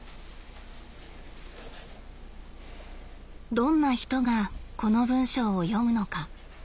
どんな人がこの文章を読むのか？